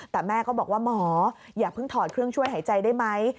แต่แม่ก็บอกว่าหมออย่าเพิ่งถอดเครื่องช่วยหายใจได้ไหม